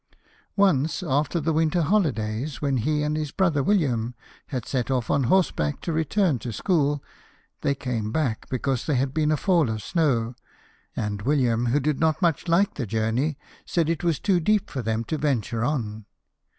" Once, after the winter holidays, when he and his brother WilHam had set off on horseback to return to school, they came back because there had been a fall of snow ; and William, who did not much like the journey, said it was too deep for them to venture on.